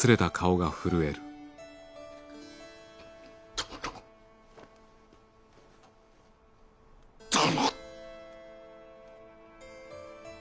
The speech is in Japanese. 殿殿！